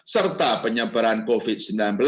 serta penyebaran covid sembilan belas